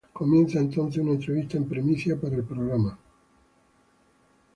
Comienza entonces una entrevista en primicia para el programa.